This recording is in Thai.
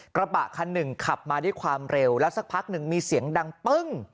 กระบะคันหนึ่งขับมาด้วยความเร็วแล้วสักพักหนึ่งมีเสียงดังปึ้ง